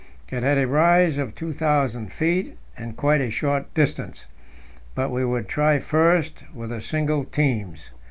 It had a rise of 2,000 feet in quite a short distance. But we would try first with the single teams.